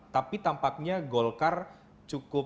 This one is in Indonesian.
tapi tampaknya golkar cukup